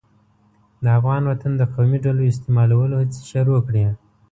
د افغان وطن د قومي ډلو استعمالولو هڅې شروع کړې.